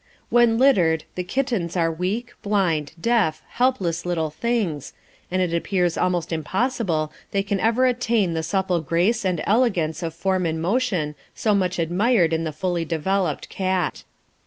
When littered, the kittens are weak, blind, deaf, helpless little things, and it appears almost impossible they can ever attain the supple grace and elegance of form and motion so much admired in the fully developed cat.